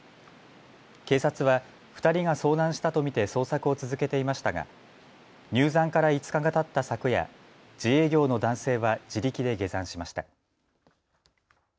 警察は２人が遭難したと見て捜索を続けていましたが入山から５日がたった昨夜、自営業の男性は自力で下山しました。